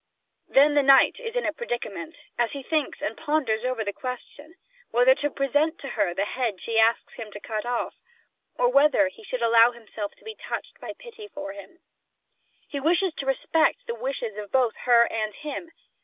Then the knight is in a predicament, as he thinks and ponders over the question: whether to present to her the head she asks him to cut off, or whether he shall allow himself to be touched by pity for him. He wishes to respect the wishes of both her and him.